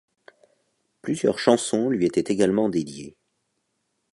Plusieurs chansons lui étaient également dédiées.